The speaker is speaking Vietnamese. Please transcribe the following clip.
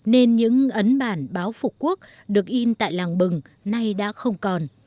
nên những ấn bản báo phục quốc được in tại làng bừng nay đã không còn